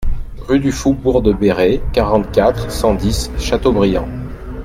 Rue du Faubourg de Béré, quarante-quatre, cent dix Châteaubriant